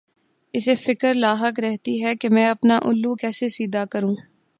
اسے فکر لاحق رہتی ہے کہ میں اپنا الو کیسے سیدھا کروں۔